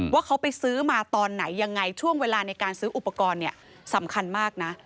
ว่าเขาไปซื้อมาตอนไหนยังไงช่วงเวลาในการซื้ออุปกรณ์เนี่ยสำคัญมากนะ